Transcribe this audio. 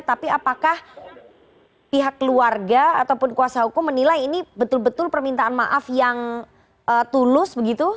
tapi apakah pihak keluarga ataupun kuasa hukum menilai ini betul betul permintaan maaf yang tulus begitu